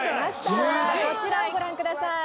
こちらをご覧ください。